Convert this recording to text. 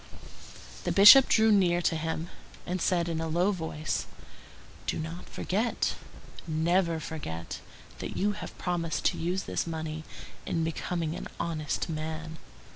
The Bishop drew near to him, and said in a low voice:— "Do not forget, never forget, that you have promised to use this money in becoming an honest man."